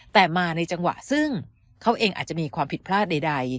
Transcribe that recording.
แต่มาในจังหวะซึ่งเขาเองอาจจะมีความผิดพลาดใด